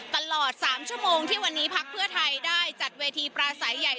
ตลอด๓ชั่วโมงที่วันนี้พักเพื่อไทยได้จัดเวทีปราศัยใหญ่